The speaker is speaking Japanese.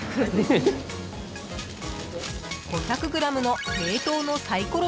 ［５００ｇの冷凍のサイコロ